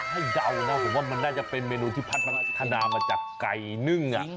ให้เดานะว่ามันน่าจะเป็นเมนูที่พัฒนามาจากไก่นึ่ง